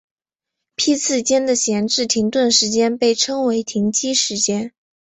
批次间的闲置停顿时间被称为停机时间。